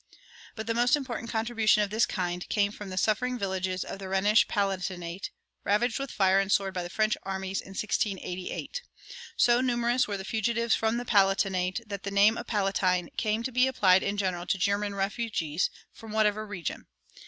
But the most important contribution of this kind came from the suffering villages of the Rhenish Palatinate ravaged with fire and sword by the French armies in 1688. So numerous were the fugitives from the Palatinate that the name of Palatine came to be applied in general to German refugees, from whatever region.